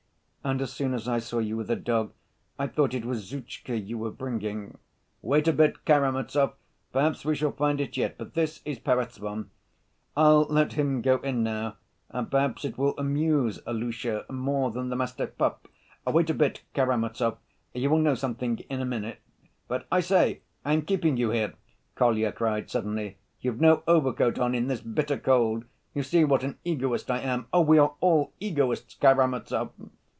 "And as soon as I saw you with a dog, I thought it was Zhutchka you were bringing." "Wait a bit, Karamazov, perhaps we shall find it yet; but this is Perezvon. I'll let him go in now and perhaps it will amuse Ilusha more than the mastiff pup. Wait a bit, Karamazov, you will know something in a minute. But, I say, I am keeping you here!" Kolya cried suddenly. "You've no overcoat on in this bitter cold. You see what an egoist I am. Oh, we are all egoists, Karamazov!"